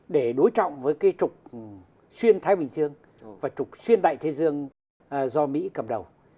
để đối trọng với trục xuyên thái bình dương và trục xuyên đại thế giêng do mỹ cầm đầu